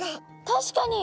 確かに！